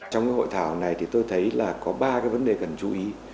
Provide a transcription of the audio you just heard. trong cái hội thảo này thì tôi thấy là có ba cái vấn đề cần chú ý